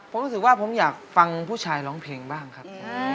ผมรู้สึกว่าผมอยากฟังผู้ชายร้องเพลงบ้างครับ